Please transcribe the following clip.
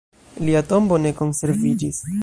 Lia tombo ne konserviĝis.